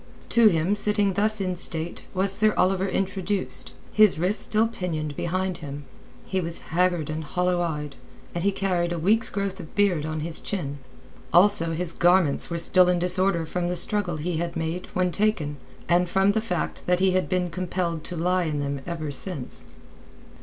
To him, sitting thus in state, was Sir Oliver introduced—his wrists still pinioned behind him. He was haggard and hollow eyed, and he carried a week's growth of beard on his chin. Also his garments were still in disorder from the struggle he had made when taken, and from the fact that he had been compelled to lie in them ever since.